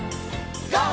ＧＯ！